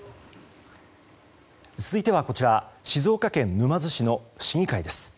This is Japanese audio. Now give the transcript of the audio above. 続いてはこちら静岡県沼津市の市議会です。